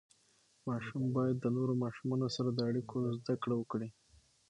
ماشوم باید د نورو ماشومانو سره د اړیکو زده کړه وکړي.